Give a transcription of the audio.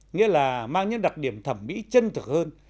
nghĩa là mang những đặc điểm thẩm mỹ chân thực hơn